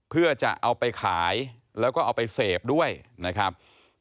เพื่อจะเอาไปขายแล้วก็เอาไปเสพด้วยนะครับ